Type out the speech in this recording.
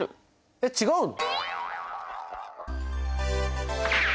えっ違うの？